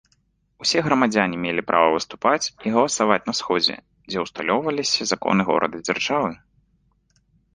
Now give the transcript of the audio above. Усе грамадзяне мелі права выступаць і галасаваць на сходзе, дзе ўсталёўваліся законы горада-дзяржавы.